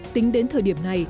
tính đến thời điểm này